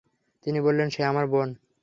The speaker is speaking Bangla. তিনি বললেন, সে আমার বোন।